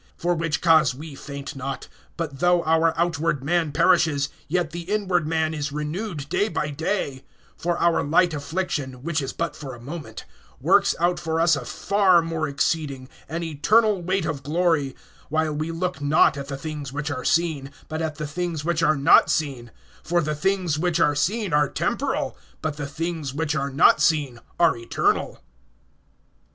(16)For which cause we faint not; but though our outward man perishes, yet the inward man is renewed day by day: (17)For our light affliction, which is but for a moment, works out for us a far more exceeding, an eternal weight of glory; (18)while we look not at the things which are seen, but at the things which are not seen; for the things which are seen are temporal, but the things which are not seen are eternal.